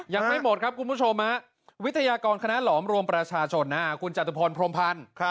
ยังไม่หมดครับคุณผู้ชมวิทยากรคณะหลอมรวมประชาชนคุณจตุพรพรมพันธ์